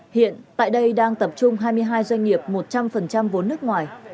hiện tại đây đang tập trung hai mươi hai doanh nghiệp một trăm linh vốn nước ngoài